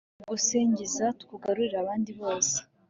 tugusingiza, tukugarurire abandi bose